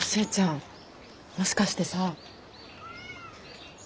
もしかしてさ。